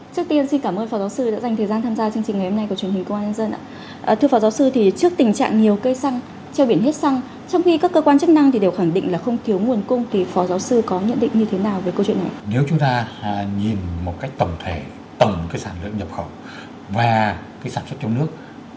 chúng ta nhìn một cách tổng thể tầm cái sản lượng nhập khẩu và cái sản xuất trong nước